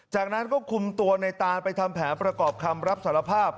จากนั้นก็คุมตัวในตานไปทำแผนประกอบคำรับสารภาพ